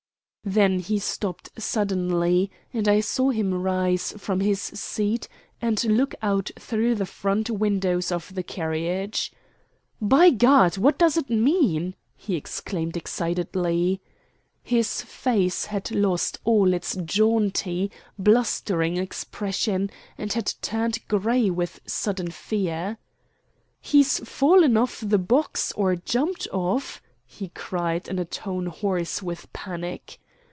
Then he stopped suddenly, and I saw him rise from his seat and look out through the front windows of the carriage. "By God! what does it mean?" he exclaimed excitedly. His face had lost all its jaunty, blustering expression and had turned gray with sudden fear. "He's fallen off the box, or jumped off," he cried in a tone hoarse with panic.